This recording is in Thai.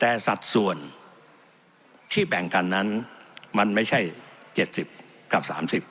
แต่สัดส่วนที่แบ่งกันนั้นมันไม่ใช่๗๐กับ๓๐